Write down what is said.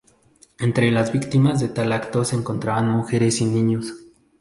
Entre las víctimas de tal acto se encontraban mujeres y niños.